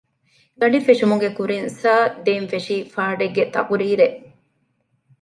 ގަޑި ފެށުމުގެ ކުރިން ސާރ ދޭން ފެށީ ފާޑެއްގެ ތަޤުރީރެއް